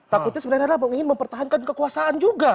takutnya sebenarnya ada yang mau ingin mempertahankan kekuasaan juga